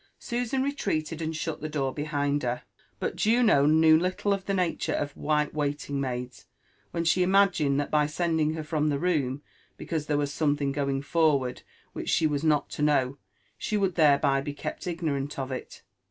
Susan retreated, and shut the door behind her ; but Juno knew i/alo JOxNATHAN JEFFERSON WHITLAW. >no of the nature of white waking maids, when she imagined that by sending her from the room because ther^was something going forward which she was not to know, she would thereby be kept igncnrant of it.